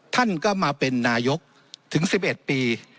ท่านก็มาเป็นนายกถึง๑๑ปี